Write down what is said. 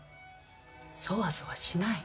そわそわしない。